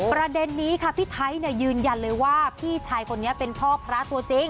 ประเด็นนี้ค่ะพี่ไทยยืนยันเลยว่าพี่ชายคนนี้เป็นพ่อพระตัวจริง